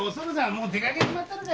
もう出かけちまったのか。